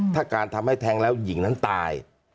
ถ้าการทำให้แทงแล้วหญิงนั้นตาย